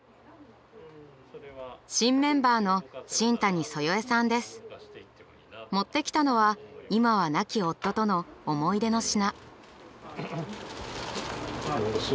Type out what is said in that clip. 新メンバーの持ってきたのは今は亡き夫との思い出の品。